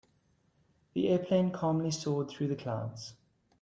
The airplane calmly soared through the clouds.